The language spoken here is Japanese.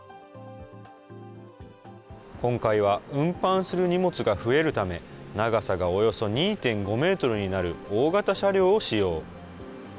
今回は運搬する荷物が増えるため、長さがおよそ２．５メートルになる大型車両を使用。